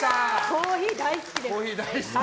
コーヒー大好きです。